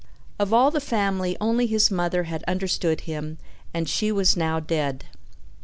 Of all the family only his mother had understood him and she was now dead.